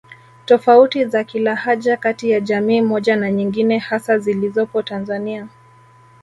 Tofauti za kilahaja kati ya jamii moja na nyingine hasa zilizopo Tanzania